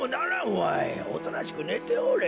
おとなしくねておれ。